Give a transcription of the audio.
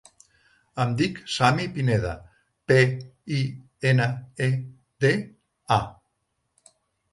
Em dic Sami Pineda: pe, i, ena, e, de, a.